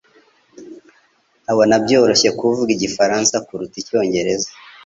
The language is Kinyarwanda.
abona byoroshye kuvuga igifaransa kuruta icyongereza.